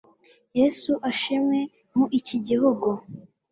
yesu ashimwe mu iki gihugu